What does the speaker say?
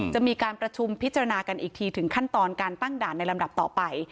จะมีการประชุมพิจารณากันอีกทีถึงขั้นตอนการตั้งด่านในลำดับต่อไป